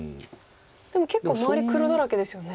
でも結構周り黒だらけですよね。